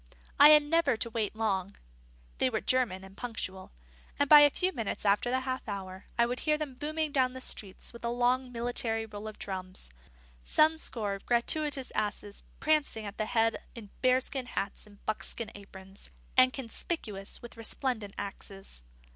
I had never to wait long they were German and punctual and by a few minutes after the half hour, I would hear them booming down street with a long military roll of drums, some score of gratuitous asses prancing at the head in bearskin hats and buckskin aprons, and conspicuous with resplendent axes.